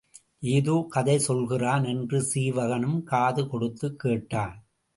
ஏதோ கதை சொல்கிறான் என்று சீவகனும் காது கொடுத்துக் கேட்டான்.